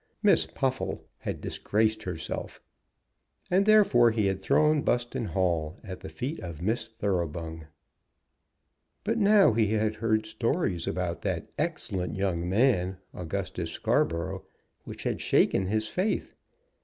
Miss Puffle had disgraced herself, and therefore he had thrown Buston Hall at the feet of Miss Thoroughbung. But now he had heard stories about that "excellent young man, Augustus Scarborough," which had shaken his faith.